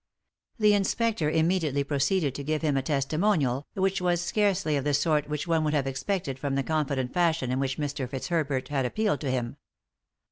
The inspector immediately proceeded to give him a testimonial, which was scarcely of the sort which one would have expected from the confident fashion in which Mr. Fitzherbert had appealed to him.